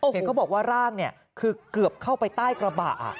เห็นเขาบอกว่าร่างคือเกือบเข้าไปใต้กระบะ